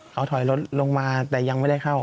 เขาถอยรถลงมาแต่ยังไม่ได้เข้า